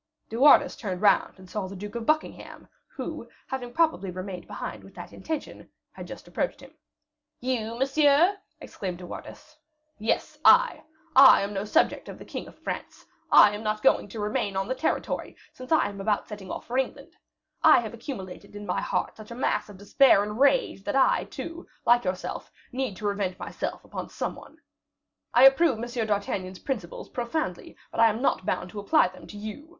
De Wardes turned round, and saw the Duke of Buckingham, who, having probably remained behind with that intention, had just approached him. "You, monsieur?" exclaimed De Wardes. "Yes, I! I am no subject of the king of France; I am not going to remain on the territory, since I am about setting off for England. I have accumulated in my heart such a mass of despair and rage, that I, too, like yourself, need to revenge myself upon some one. I approve M. d'Artagnan's principles profoundly, but I am not bound to apply them to you.